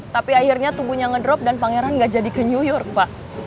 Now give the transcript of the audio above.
tapi akhirnya tubuhnya ngedrop dan pangeran gak jadi ke new york pak